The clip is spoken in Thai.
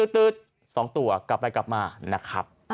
๒ตัวกลับไปกลับมานะครับ